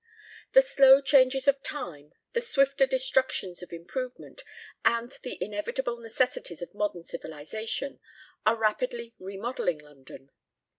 The slow changes of time, the swifter destructions of improvement, and the inevitable necessities of modern civilisation, are rapidly remodelling London.